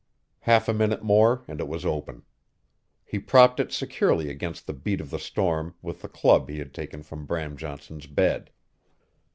Half a minute more and it was open. He propped it securely against the beat of the storm with the club he had taken from Bram Johnson's bed.